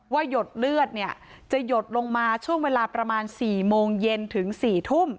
หยดเลือดเนี่ยจะหยดลงมาช่วงเวลาประมาณ๔โมงเย็นถึง๔ทุ่ม